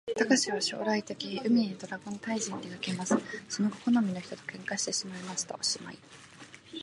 たかしは将来的に、海へドラゴン退治にでかけます。その後好みの人と喧嘩しました。おしまい